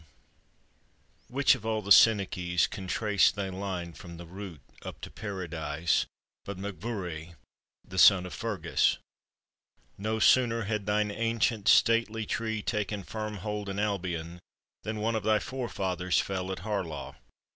"] Which of all the Senachies Can trace thy line from the root up to Para dise, But MacVuirih, the son of Fergus? No sooner had thine ancient stately tree Taken firm hold in Albion, Than one of thy forefathers fell at Harlaw.